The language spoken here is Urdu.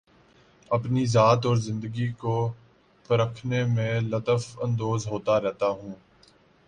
اپنی ذات اور زندگی کو پرکھنے میں لطف اندوز ہوتا رہتا ہوں